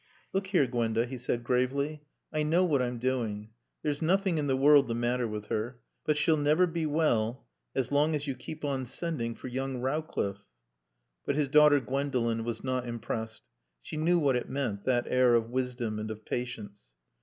"Look here, Gwenda," he said gravely. "I know what I'm doing. There's nothing in the world the matter with her. But she'll never be well as long as you keep on sending for young Rowcliffe." But his daughter Gwendolen was not impressed. She knew what it meant that air of wisdom and of patience.